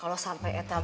apa jemput ya